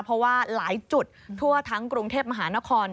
เพราะว่าหลายจุดทั่วทั้งกรุงเทพมหานคร